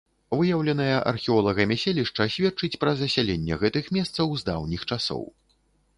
Выяўленае археолагамі селішча сведчыць пра засяленне гэтых месцаў з даўніх часоў.